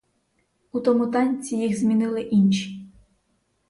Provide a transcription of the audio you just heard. У тому танці їх змінили інші.